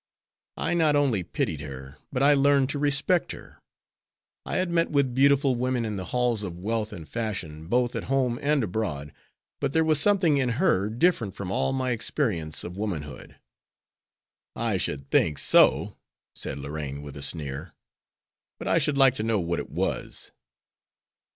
"I not only pitied her, but I learned to respect her. I had met with beautiful women in the halls of wealth and fashion, both at home and abroad, but there was something in her different from all my experience of womanhood." "I should think so," said Lorraine, with a sneer; "but I should like to know what it was."